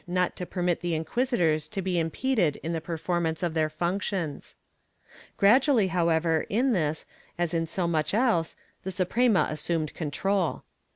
V] IMPOSING SOLEMNITIES 211 not to permit the inquisitorej to be impeded in the performance of their functions/ Gradually, however, in this, as in so much else, the Suprema assumed control.